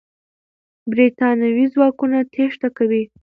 برتانوي ځواکونه تېښته کوي.